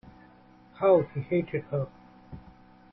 How he hated her!